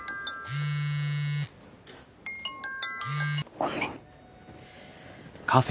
ごめん。